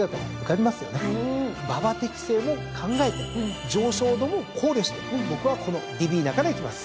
馬場適性も考えて上昇度も考慮して僕はこのディヴィーナからいきます！